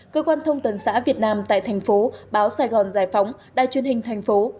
cơ quan thông tần xã việt nam tại thành phố báo sài gòn giải phóng đài truyền hình thành phố